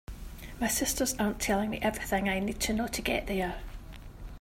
My sisters aren’t telling me everything I need to know to get there.